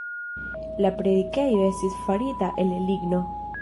La predikejo estis farita el ligno.